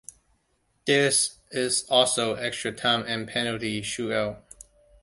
There is also extra time and penalty shootout.